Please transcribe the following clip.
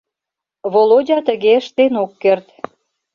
Володя тыге ыштен ок керт.